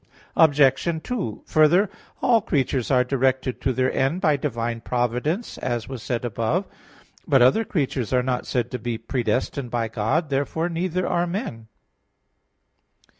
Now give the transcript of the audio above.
Obj. 2: Further, all creatures are directed to their end by divine providence, as was said above (Q. 22, AA. 1, 2). But other creatures are not said to be predestined by God. Therefore neither are men.